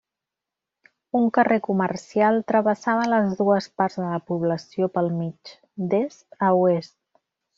Un carrer comercial travessava les dues parts de la població pel mig, d'est a oest.